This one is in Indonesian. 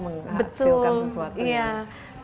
menghasilkan sesuatu yang